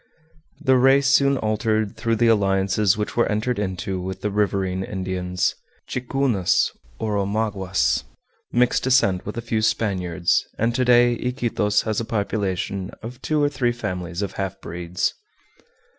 The race soon altered through the alliances which were entered into with the riverine Indians, Ticunas, or Omaguas, mixed descent with a few Spaniards, and to day Iquitos has a population of two or three families of half breeds.